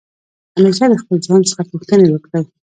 همېشه د خپل ځان څخه پوښتني وکړئ.